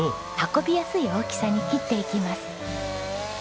運びやすい大きさに切っていきます。